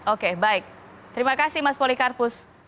oke baik terima kasih mas polikarpus